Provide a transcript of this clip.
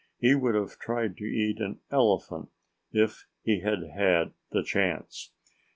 He would have tried to eat an elephant, if he had had the chance.